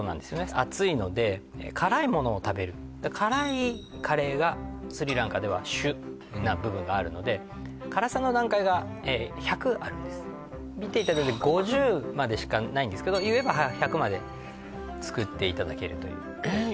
暑いので辛いものを食べる辛いカレーがスリランカでは主な部分があるので見ていただいて５０までしかないんですけど言えば１００まで作っていただけるというえー